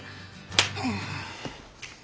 うん。